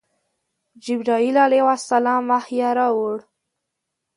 جبرائیل علیه السلام وحی راوړ.